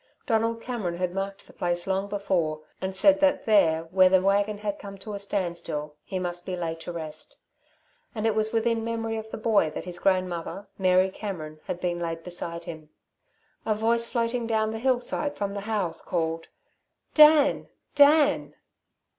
Donald Cameron had marked the place long before, and said that there, where the wagon had come to a standstill, he must be laid to rest. And it was within memory of the boy that his grandmother, Mary Cameron, had been laid beside him. A voice floating down the hillside from the house called: "Dan! Dan!"